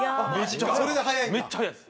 めっちゃ速いです。